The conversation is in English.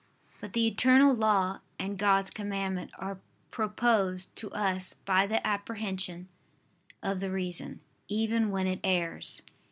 But the eternal law and God's commandment are proposed to us by the apprehension of the reason, even when it errs.